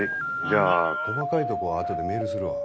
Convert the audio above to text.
じゃあ細かいとこはあとでメールするわ。